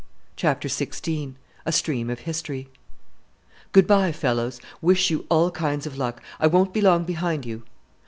CHAPTER XVI A STREAM OF HISTORY "Good bye, fellows, wish you all kinds of luck! I won't be long behind you."